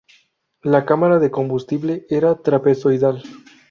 La cámara de combustible era trapezoidal.